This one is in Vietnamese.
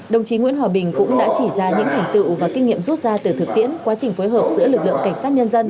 đồng chí nguyễn hòa bình cũng đã chỉ ra những thành tựu và kinh nghiệm rút ra từ thực tiễn quá trình phối hợp giữa lực lượng cảnh sát nhân dân